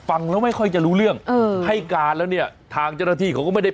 ฟังแล้วไม่ค่อยจะรู้เรื่องเออให้การแล้วเนี่ยทางเจ้าหน้าที่เขาก็ไม่ได้